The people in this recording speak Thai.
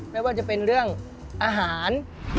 ไม่ว่าจะเป็นเรื่องอาหาร